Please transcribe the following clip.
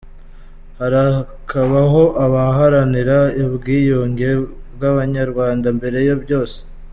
Harakabaho abaharanira ubwiyunge bw’Abanyarwanda mbere ya byose.